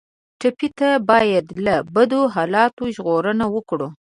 ټپي ته باید له بدو حالاتو ژغورنه ورکړو.